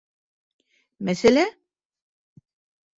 Мәсьәлә?!